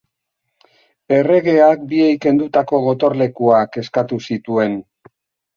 Erregeak biei kendutako gotorlekuak eskatu zituen.